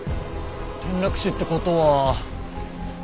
転落死って事は。